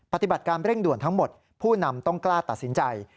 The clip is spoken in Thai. ปฏิบัติการเร่งด่วนทั้งหมดผู้นำต้องกล้าตัดสินใจ